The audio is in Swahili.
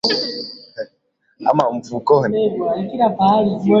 mkataba uliandaliwa kuzuia uhalifu wa mauaji ya kimbari